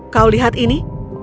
kau lihat ini